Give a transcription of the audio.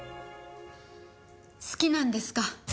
好きなんですか？